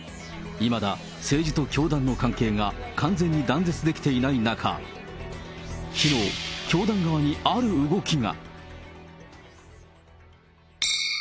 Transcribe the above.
いまだ、政治と教団の関係が完全に断絶できていない中、きのう、教団側にある動きが。